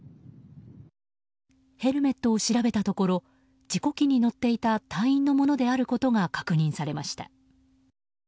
ヘルメットを調べたところ事故機に乗っていた隊員のものであることが確認されました。